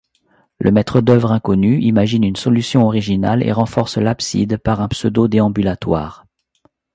Le maître d'œuvre inconnu imagine une solution originale et renforce l'abside par un pseudo-déambulatoire.